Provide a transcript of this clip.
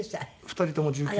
２人とも１９。